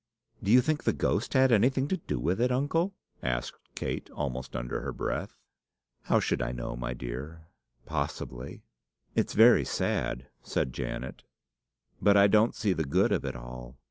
"Do you think the ghost had anything to do with it, uncle?" asked Kate, almost under her breath. "How should I know, my dear? Possibly." "It's very sad," said Janet; "but I don't see the good of it all.